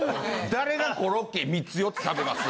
誰がコロッケ３つ４つ食べます？